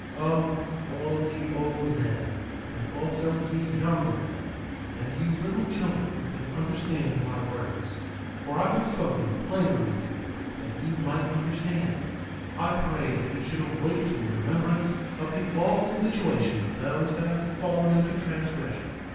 2:40 O, all ye old men, and also ye young men, and you little children who can understand my words, for I have spoken plainly unto you that ye might understand, I pray that ye should awake to a remembrance of the awful situation of those that have fallen into transgression.